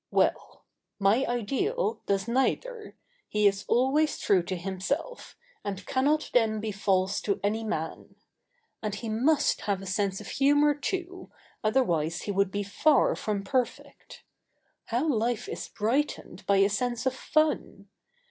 Well! my ideal does neither. He is always true to himself, and "cannot then be false to any man." And he must have a sense of humour, too, otherwise he would be far [Sidenote: Humour an essential.] from perfect. How life is brightened by a sense of fun!